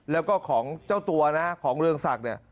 แล้วก็ของเจ้าตัวนะของเรืองศักดิ์เนี่ย